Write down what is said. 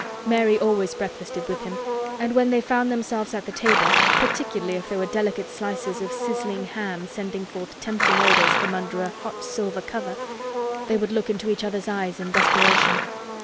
Mary always breakfasted with him and when they found themselves at the table—particularly if there were delicate slices of sizzling ham sending forth tempting odors from under a hot silver cover—they would look into each other's eyes in desperation.